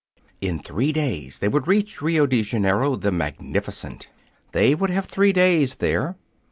In three days they would reach Rio de Janeiro, the magnificent. They would have three days there.